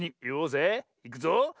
いくぞ。